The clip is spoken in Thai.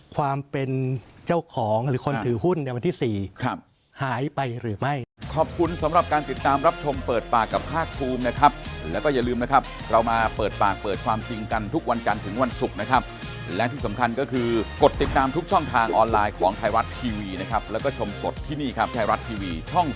ความเป็นเจ้าของหรือคนถือหุ้นในวันที่๔หายไปหรือไม่